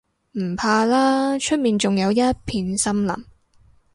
唔怕啦，出面仲有一片森林